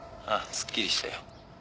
すっきりしたよ。